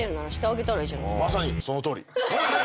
まさにそのとおり！